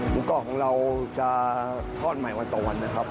หมูกรอบของเราจะทอดใหม่วันต่อวันนะครับ